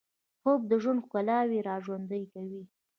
خوب د ژوند ښکلاوې راژوندۍ کوي